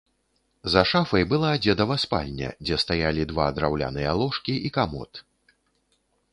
За шафай была дзедава спальня, дзе стаялі два драўляныя ложкі і камод.